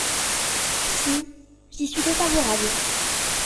Sinon, j’y suis défavorable.